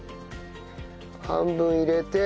半分入れて。